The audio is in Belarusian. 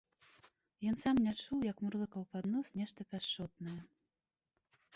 Ён сам не чуў, як мурлыкаў пад нос нешта пяшчотнае.